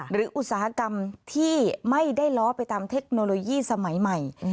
อุตสาหกรรมที่ไม่ได้ล้อไปตามเทคโนโลยีสมัยใหม่